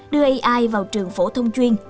đưa ai vào trường phổ thông chuyên